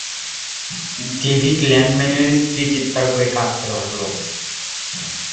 David ল্যাংম্যানের স্ত্রী চিৎকার করে কাঁদতে লাগল।